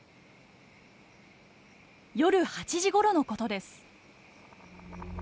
夜８時ごろのことです。